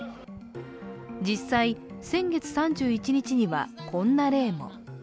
実際、先月３１日にはこんな例も。